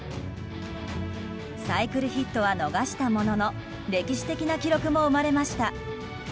サイクルヒットは逃したものの歴史的な記録も生まれました。